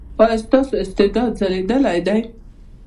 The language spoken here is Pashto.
ایا ستاسو استعداد ځلیدلی دی؟